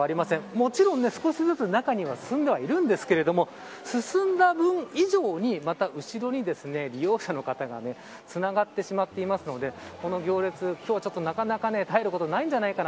もちろん少しずつ中には進んでいるんですけど進んだ分以上に、また後ろに利用者の方がつながってしまっていますのでこの行列、今日は、ちょっとなかなか絶えることないんじゃないかな。